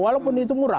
walaupun itu murah